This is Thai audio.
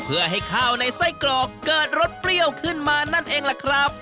เพื่อให้ข้าวในไส้กรอกเกิดรสเปรี้ยวขึ้นมานั่นเองล่ะครับ